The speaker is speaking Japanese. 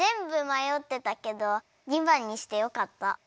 まよってたけど２ばんにしてよかった。